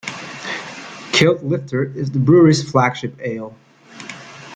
Kilt Lifter is the brewery's flagship ale.